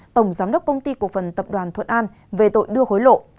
tổng giám đốc công ty cổ phần tập đoàn thuận an về tội đưa hối lộ